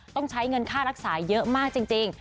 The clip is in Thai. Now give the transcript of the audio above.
ต้องใช้เงินค่ารักษาเยอะมากจริง